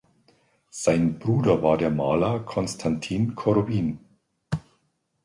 Sein Bruder war der Maler Konstantin Korowin.